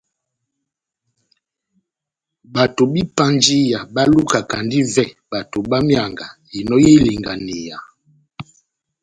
Bato bá ipanjiya bá lukakandi ivɛ bato bá mianga inò y'ilinganiya.